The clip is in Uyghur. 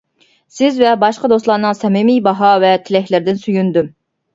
سىز ۋە باشقا دوستلارنىڭ سەمىمىي باھا ۋە تىلەكلىرىدىن سۆيۈندۈم.